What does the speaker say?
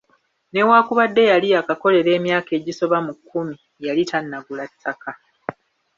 Newaakubadde yali yakakolera emyaka egisoba mu kkumi, yali tannagula ttaka.